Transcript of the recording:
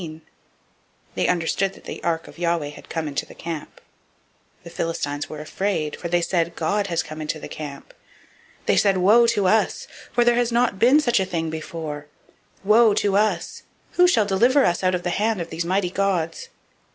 They understood that the ark of Yahweh was come into the camp. 004:007 The Philistines were afraid, for they said, God is come into the camp. They said, Woe to us! for there has not been such a thing heretofore. 004:008 Woe to us! who shall deliver us out of the hand of these mighty gods?